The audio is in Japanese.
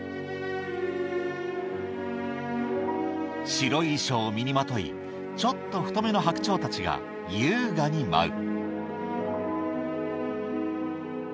白い衣装を身にまといちょっと太めの白鳥たちが優雅に舞う